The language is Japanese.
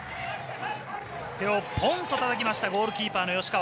手をポンとたたきましたゴールキーパーの吉川。